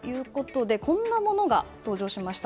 こんなものが登場しました。